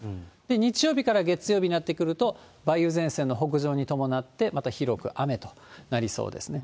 日曜日から月曜日になってくると、梅雨前線の北上に伴って、また広く雨となりそうですね。